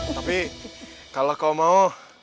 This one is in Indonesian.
tapi kalau kau mau